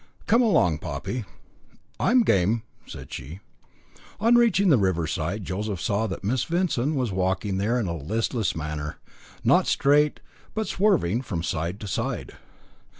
Come along, Poppy." "I'm game," said she. On reaching the riverside Joseph saw that Miss Vincent was walking there in a listless manner, not straight, but swerving from side to side.